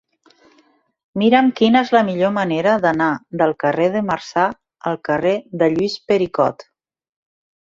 Mira'm quina és la millor manera d'anar del carrer de Marçà al carrer de Lluís Pericot.